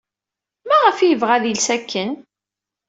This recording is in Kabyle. Maɣef ay yebɣa ad yels akken?